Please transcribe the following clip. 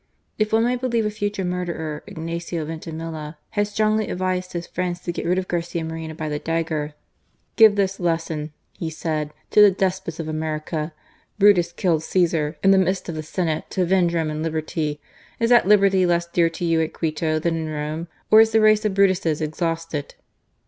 If one may believe a future murderer, Ignacio Vinti milla had strongly advised his friends to get rid of Garcia Moreno by the dagger. " Give this lesson," he said, " to the despots of America. Brutus killed Csesar in the midst of the Senate to avenge Roman liberty. Is that liberty less dear to you at Quito than in Rome? or is the race of Brutuses ex hausted